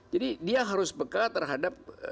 jadi dia harus bekal terhadap